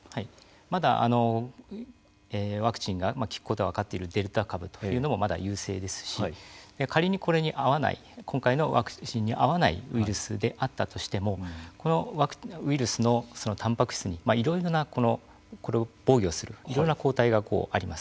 まだワクチンが効くことが分かっているデルタ株もまだ優性ですし仮にこれに合わない今回のワクチンに合わないウイルスであったとしてもこのウイルスのたんぱく質にいろいろな、これを防御するいろんな抗体があります。